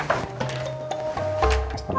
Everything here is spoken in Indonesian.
nah gue cek dulu ah